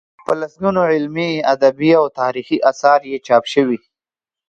په لسګونو علمي، ادبي او تاریخي اثار یې چاپ شوي.